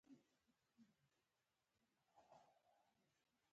دا لیکنه د یاګانو د زده کړې نوې لار وړاندې کوي